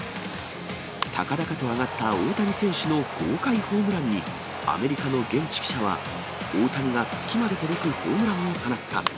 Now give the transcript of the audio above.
高々と上がった大谷選手の豪快ホームランに、アメリカの現地記者は、大谷が月まで届くホームランを放った。